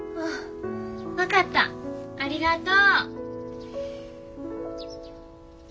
分かったありがとう！